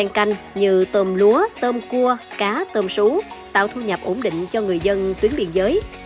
canh như tôm lúa tôm cua cá tôm sú tạo thu nhập ổn định cho người dân tuyến biên giới